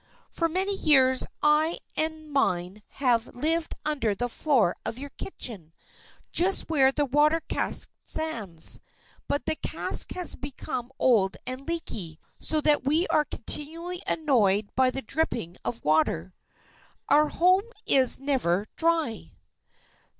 "For many years I and mine have lived under the floor of your kitchen, just where the water cask stands. But the cask has become old and leaky, so that we are continually annoyed by the dripping of water. Our home is never dry."